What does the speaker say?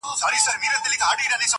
مګر سوځي یو د بل کلي کورونه،